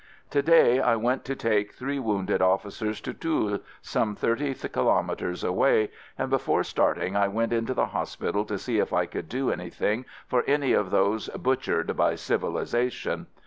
To day I went to take three wounded officers to Toul, some thirty kilometres away, and before starting I went into the hospital to see if I could do anything for any of those butchered by "civilization."